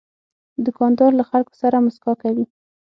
دوکاندار له خلکو سره مسکا کوي.